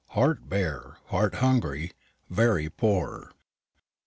"HEART BARE, HEART HUNGRY, VERY POOR."